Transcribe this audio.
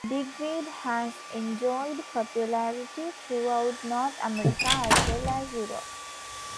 Digweed has enjoyed popularity throughout North America as well as Europe.